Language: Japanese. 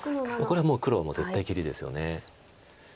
これはもう黒は絶対切りですよね。